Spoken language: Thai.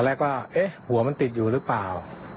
แล้วก็เอ๊ะหัวมันติดอยู่หรือเปล่า